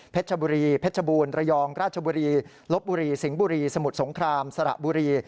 ชบุรีเพชรบูรณระยองราชบุรีลบบุรีสิงห์บุรีสมุทรสงครามสระบุรี